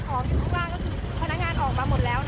คุณสุรพีช่วงที่ออกมาก็มีช่วงนั่งมอเตอร์ไซด์ด้วยนะ